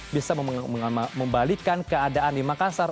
bisa membalikan keadaan di makassar